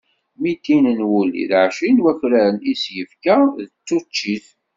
Mitin n wulli d ɛecrin n wakraren i s-yefka d tuččit.